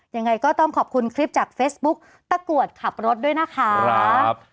ยังไงก็ต้องขอบคุณคลิปจากเฟซบุ๊กตะกรวดขับรถด้วยนะคะ